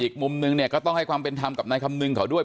อีกมุมนึงเนี่ยก็ต้องให้ความเป็นธรรมกับนายคำนึงเขาด้วย